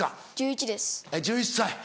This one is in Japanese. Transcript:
１１歳。